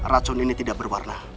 racun ini tidak berwarna